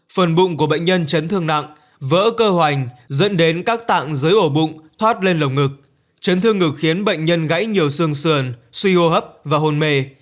phần bụng của bệnh nhân chấn thương nặng vỡ cơ hoành dẫn đến các tạng dưới ổ bụng thoát lên lồng ngực chấn thương ngực khiến bệnh nhân gãy nhiều xương suy hô hấp và hồn mề